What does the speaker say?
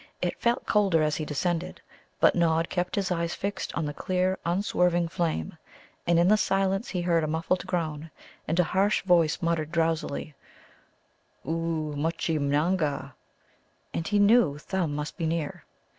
It felt colder as he descended. But Nod kept his eyes fixed on the clear, unswerving flame. And in the silence he heard a muffled groan, and a harsh voice muttered drowsily, "Oo mutchee, nanga," and he knew Thumb must be near.